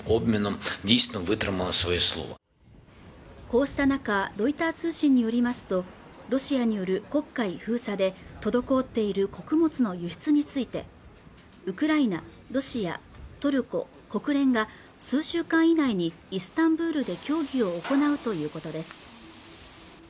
こうした中ロイター通信によりますとロシアによる黒海封鎖で滞っている穀物の輸出についてウクライナ、ロシアトルコ国連が数週間以内にイスタンブールで協議を行うということです